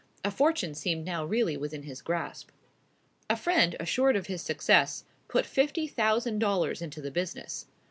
A fortune seemed now really within his grasp. A friend, assured of his success, put fifty thousand dollars into the business.